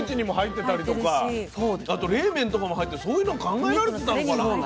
あと冷麺とかも入ってそういうの考えられてたのかな。